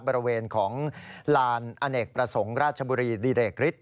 บริเวณของลานอเนกประสงค์ราชบุรีดีเรกฤทธ